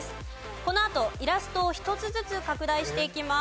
このあとイラストを１つずつ拡大していきます。